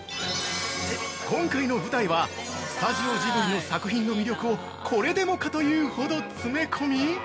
◆今回の舞台は、スタジオジブリの作品の魅力をこれでもかというほど詰め込み